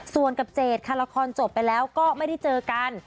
ส่วนกับเจดค่ะละครจบไปแล้วก็ไม่ได้เจอกัน